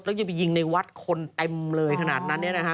แล้วยังไปยิงในวัดคนเต็มเลยขนาดนั้นเนี่ยนะฮะ